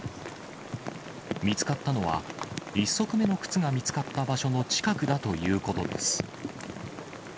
見つかったのは、１足目の靴が見つかった場所の近くだということです。